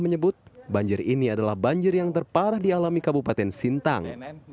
menyebut banjir ini adalah banjir yang terparah dialami kabupaten sintang